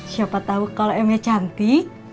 siapa tahu kalau eme cantik